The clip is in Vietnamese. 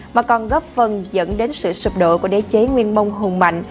mà còn góp phần dẫn đến sự sụp đổ của đế chế nguyên mông hùng mạnh